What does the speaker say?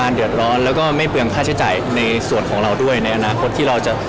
อ่าไม่น่าจะครบครับ